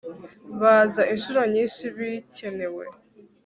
Baza inshuro nyinshi bikenewe